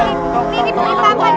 ini tuh amin